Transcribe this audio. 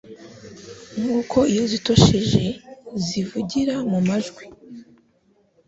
nk'uko iyo zitosheje zivugira mu majwi